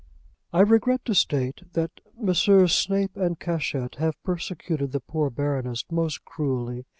I regret to state that Messrs. Snape and Cashett have persecuted the poor Baroness most cruelly.